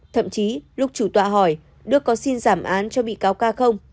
thậm chí lúc chủ tọa hỏi đức có xin giảm án cho bị cáo ca không